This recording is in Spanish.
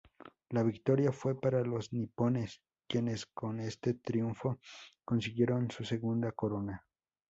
La victoria fue para los nipones quienes con este triunfo consiguieron su segunda corona.